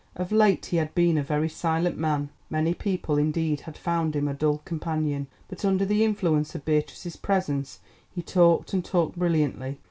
Of late he had been a very silent man, many people indeed had found him a dull companion. But under the influence of Beatrice's presence he talked and talked brilliantly.